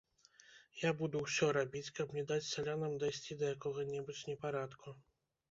Я буду ўсё рабіць, каб не даць сялянам дайсці да якога-небудзь непарадку.